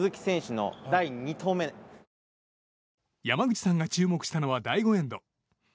山口さんが注目したのは第５エンド。